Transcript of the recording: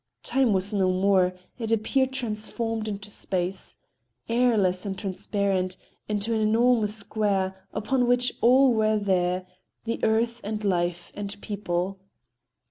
Time was no more; it appeared transformed into space, airless and transparent, into an enormous square upon which all were there—the earth and life and people.